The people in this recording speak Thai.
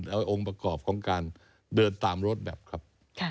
เอาองค์ประกอบของการเดินตามรถแบบครับ